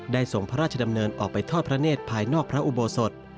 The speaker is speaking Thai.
ส่งพระราชดำเนินออกไปทอดพระเนธภายนอกพระอุโบสถ